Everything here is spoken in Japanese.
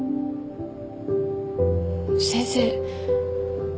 先生